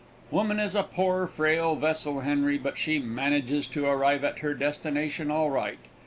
Woman is a poor, frail vessel, Henry, but she manages to arrive at her destination all right.